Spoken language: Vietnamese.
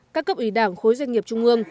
các cấp ủy đảng khối doanh nghiệp trung ương